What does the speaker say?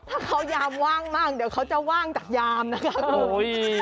ถ้าเขายามว่างมากเดี๋ยวเขาจะว่างจากยามนะคะคุณ